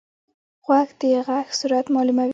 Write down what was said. غوږ د غږ سرعت معلوموي.